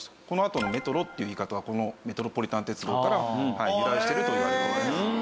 このあとのメトロっていう言い方はこのメトロポリタン鉄道から由来してるといわれております。